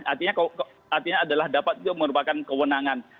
artinya adalah dapat itu merupakan kewenangan